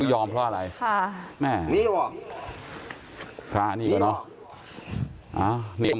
ยอมเพราะอะไรพระนี่ก็เนาะ